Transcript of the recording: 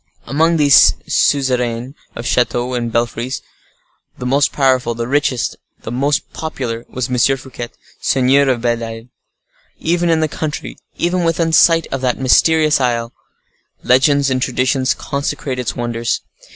Among these suzerains of chateaux and belfries, the most powerful, the richest, the most popular, was M. Fouquet, seigneur of Belle Isle. Even in the country, even within sight of that mysterious isle, legends and traditions consecrate its wonders.